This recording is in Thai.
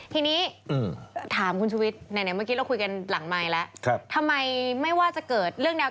ทีนี้อื้อถามคุณแน่เมื่อกี้เราคุยกันหลังไมล์แล้วครับ